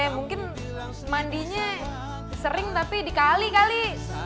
ya mungkin mandinya sering tapi dikali kali